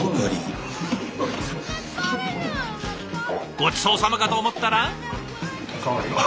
ごちそうさまかと思ったら。